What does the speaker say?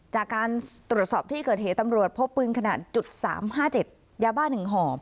จากการตรวจสอบที่เกิดเหตุตำรวจพบปืนขนาด๓๕๗ยาบ้า๑ห่อ